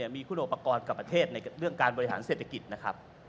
มีคุณอุปกรณ์กับประเทศในเรื่องการบริหารเศรษฐกิจนะครับ